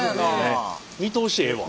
見通しええわ。